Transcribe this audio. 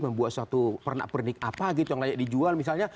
membuat suatu pernak pernik apa gitu yang layak dijual misalnya